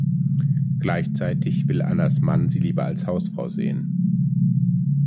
Gleichzeitig will Annas Mann sie lieber als Hausfrau sehen.